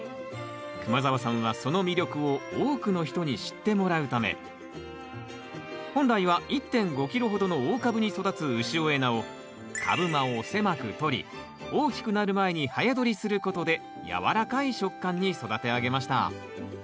熊澤さんはその魅力を多くの人に知ってもらうため本来は１．５キロほどの大株に育つ潮江菜を株間を狭くとり大きくなる前に早どりすることで軟らかい食感に育て上げました。